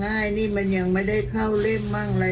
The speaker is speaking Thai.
ง่ายนี่มันยังไม่ได้เข้าเล่มมากเลย